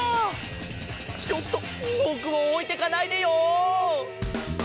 ちょっとぼくをおいてかないでよ！